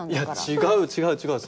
いや違う違う違う。